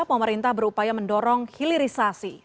pemerintah berupaya mendorong hilirisasi